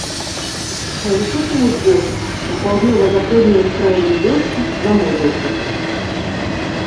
На высокім узгорку, на паўднёва-заходняй ускраіне вёскі, на могілках.